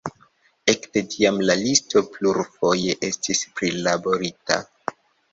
Ekde tiam la listo plurfoje estis prilaborita.